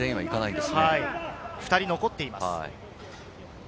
２人残っています。